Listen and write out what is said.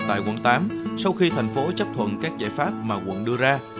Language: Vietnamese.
tại quận tám sau khi thành phố chấp thuận các giải pháp mà quận đưa ra